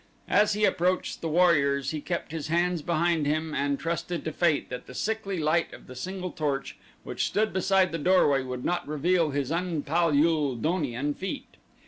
As he approached the warriors he kept his hands behind him and trusted to fate that the sickly light of the single torch which stood beside the doorway would not reveal his un Pal ul donian feet.